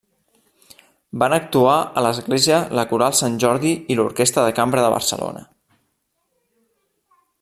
Van actuar a l'església la Coral Sant Jordi i l'Orquestra de Cambra de Barcelona.